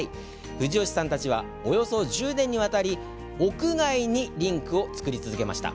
藤吉さんたちはおよそ１０年にわたり屋外にリンクを作り続けました。